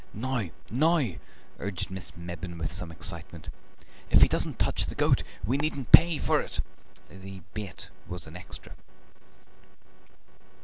"Now, now!" urged Miss Mebbin with some excitement; "if he doesn't touch the goat we needn't pay for it." (The bait was an extra.)